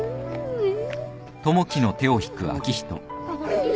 うん。